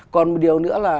còn một điều nữa là